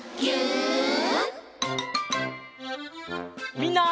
みんな。